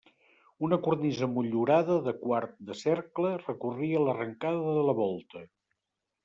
Una cornisa motllurada de quart de cercle recorria l'arrencada de la volta.